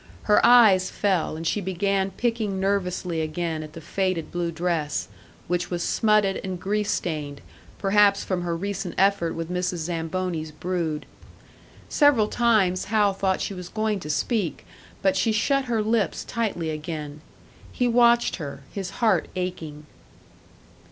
Her eyes fell and she began picking nervously again at the faded blue dress, which was smutted and grease stained, perhaps from her recent effort with Mrs. Zamboni's brood. Several times Hal thought she was going to speak, but she shut her lips tightly again; he watched her, his heart aching.